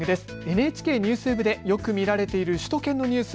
ＮＨＫＮＥＷＳＷＥＢでよく見られている首都圏のニュース